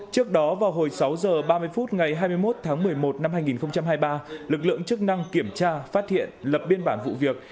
trước đó vào hồi sáu h ba mươi phút ngày hai mươi một tháng một mươi một năm hai nghìn hai mươi ba lực lượng chức năng kiểm tra phát hiện lập biên bản vụ việc